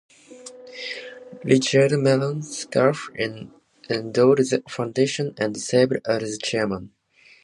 Richard Mellon Scaife endowed the foundation and served as the chairman.